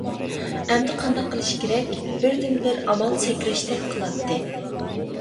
ئەمدى قانداق قىلىش كېرەك؟ بىردىنبىر ئامال سەكرەشتەك قىلاتتى.